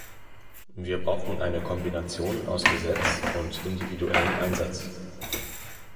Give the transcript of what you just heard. Wir brauchen eine Kombination aus Gesetz und individuellem Einsatz.